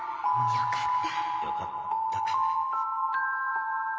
よかった。